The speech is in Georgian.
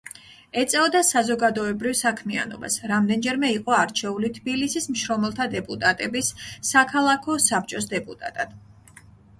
ეწეოდა საზოგადოებრივ საქმიანობას, რამდენჯერმე იყო არჩეული თბილისის მშრომელთა დეპუტატების საქალაქო საბჭოს დეპუტატად.